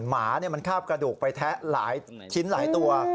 หมามันคาบกระดูกไปแทะหลายชิ้นหลายตัว